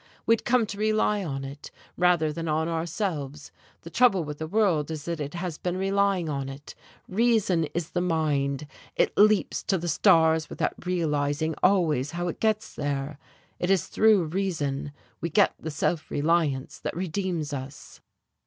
We'd come to rely on it rather than on ourselves the trouble with the world is that it has been relying on it. Reason is the mind it leaps to the stars without realizing always how it gets there. It is through reason we get the self reliance that redeems us."